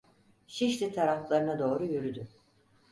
Şişli taraflarına doğru yürüdü.